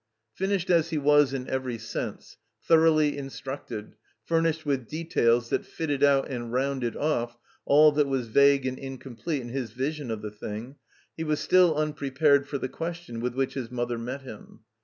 Finished as he was in every sense, thoroughly in structed, furnished with details that fitted out and rounded off all that was vague and incomplete in his vision of the thing, he was still imprepared for the question with which his mother met him.